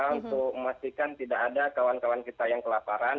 untuk memastikan tidak ada kawan kawan kita yang kelaparan